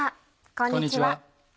こんにちは。